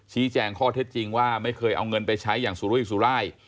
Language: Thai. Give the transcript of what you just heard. แจ้งข้อเท็จจริงว่าไม่เคยเอาเงินไปใช้อย่างสุรุยสุราย